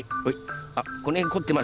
あっこのへんこってますね。